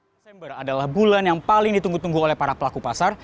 desember adalah bulan yang paling ditunggu tunggu oleh para pelaku pasar